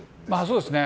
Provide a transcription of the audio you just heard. そうですね。